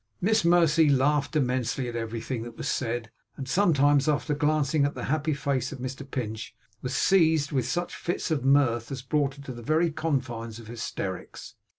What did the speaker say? Miss Mercy laughed immensely at everything that was said; and sometimes, after glancing at the happy face of Mr Pinch, was seized with such fits of mirth as brought her to the very confines of hysterics.